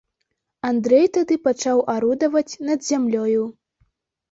Андрэй тады пачаў арудаваць над зямлёю.